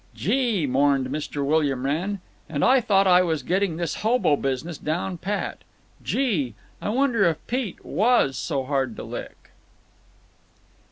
"Gee!" mourned Mr. William Wrenn, "and I thought I was getting this hobo business down pat…. Gee! I wonder if Pete was so hard to lick?"